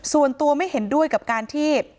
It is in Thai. ส่วนตัวไม่เห็นด้วยกับการที่